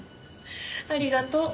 ありがとう。